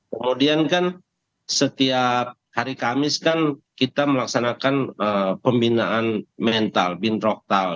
kemudian kan setiap hari kamis kan kita melaksanakan pembinaan mental bin roktal